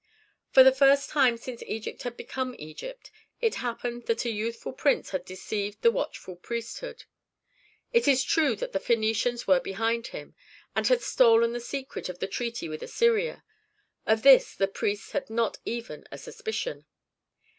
For the first time since Egypt had become Egypt it happened that a youthful prince had deceived the watchful priesthood. It is true that the Phœnicians were behind him, and had stolen the secret of the treaty with Assyria; of this the priests had not even a suspicion.